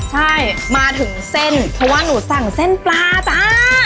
ใช่มาถึงเส้นเพราะว่าหนูสั่งเส้นปลาจ้า